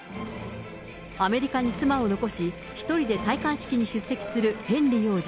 アメリカに妻を残し、１人で戴冠式に出席するヘンリー王子。